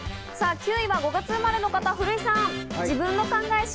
９位は５月生まれの方、古井さん。